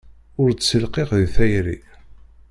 Ur d-ssilqiq di tayri.